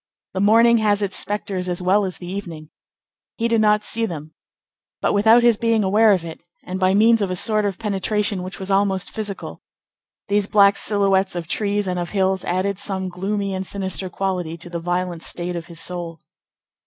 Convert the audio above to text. The morning has its spectres as well as the evening. He did not see them; but without his being aware of it, and by means of a sort of penetration which was almost physical, these black silhouettes of trees and of hills added some gloomy and sinister quality to the violent state of his soul.